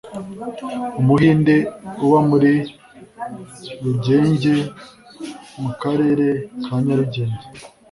Umuhinde uba muri Rugenge mu karere ka Nyarugenge